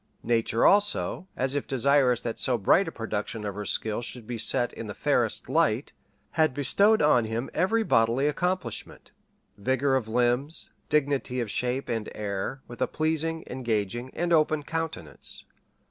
Nature, also, as if desirous that so bright a production of her skill should be set in the fairest light, had bestowed on him every bodily accomplishment vigor of limbs, dignity of shape and air, with a pleasing, engaging, and open countenance.